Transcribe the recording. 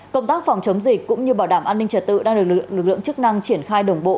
công tác phòng chống dịch cũng như bảo đảm an ninh trật tự đang được lực lượng chức năng triển khai đồng bộ